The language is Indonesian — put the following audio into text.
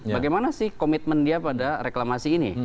bagaimana sih komitmen dia pada reklamasi ini